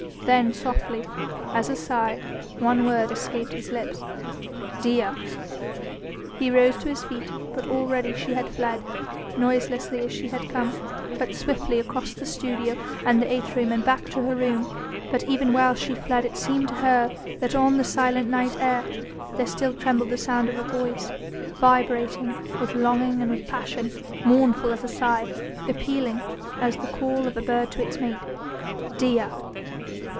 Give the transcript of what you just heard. Then softly, as a sigh, one word escaped his lips: "Dea!" He rose to his feet but already she had fled, noiselessly as she had come, but swiftly across the studio and the atrium and back to her room, but even while she fled it seemed to her that on the silent night air there still trembled the sound of a voice, vibrating with longing and with passion, mournful as a sigh, appealing as the call of a bird to its mate: "Dea!"